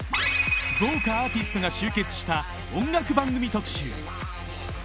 豪華アーティストが集結した音楽番組特集